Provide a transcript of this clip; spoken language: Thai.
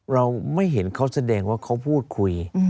เราไม่เห็นเขาแสดงว่าเขาพูดคุย